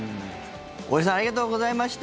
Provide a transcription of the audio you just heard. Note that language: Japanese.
大平さんありがとうございました。